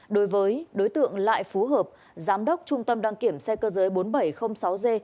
đối với đối tượng lại phú hợp giám đốc trung tâm đăng kiểm xe cơ giới bốn nghìn bảy trăm linh sáu g